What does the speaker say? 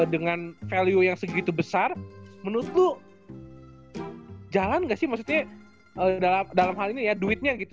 dengan value yang segitu besar menurutku jangan gak sih maksudnya dalam hal ini ya duitnya gitu